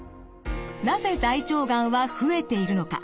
なぜ大腸がんは増えているのか？